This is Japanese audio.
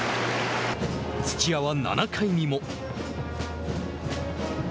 土屋は７回にも。